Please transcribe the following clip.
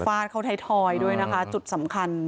ฟาดเขาท้ายด้วยนะคะจุดสำคัญ